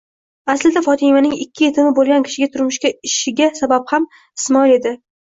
Aslida Fotimaning ikki yetimi bo'lgan kishiga turmushga ishiga sababham Ismoil edi.